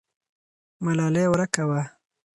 ملالۍ ورکه وه.